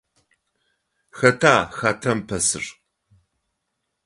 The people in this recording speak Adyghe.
Xэтa хатэм пэсыр?